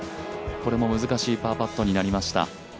これも難しいパーパットになりました。